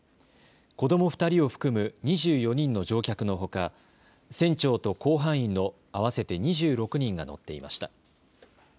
子ども２人を含む２４人の乗客のほか船長と甲板員の合わせて２６人が乗っていました。